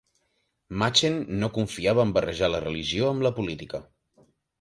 Machen no confiava a barrejar la religió amb la política.